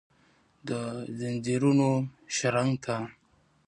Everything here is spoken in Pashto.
دځنځیرونو شرنګ ته ،